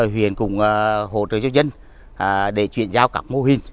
huyện cũng hỗ trợ cho dân để chuyển giao các mô hình